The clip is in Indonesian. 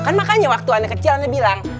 kan makanya waktu aneh kecil aneh bilang